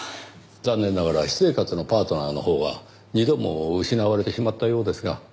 残念ながら私生活のパートナーのほうは２度も失われてしまったようですが。